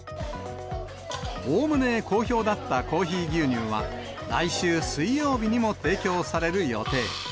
おおむね好評だったコーヒー牛乳は、来週水曜日にも提供される予定。